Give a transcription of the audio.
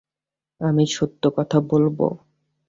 আমি সত্য কথা বলব।